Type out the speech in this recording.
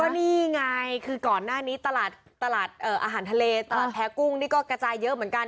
นี่ไงคือก่อนหน้านี้ตลาดอาหารทะเลตลาดแพ้กุ้งนี่ก็กระจายเยอะเหมือนกัน